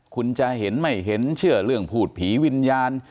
คุณจะเห็นไม่เห็นเชื่อเรื่องพูดผีวิญญาณ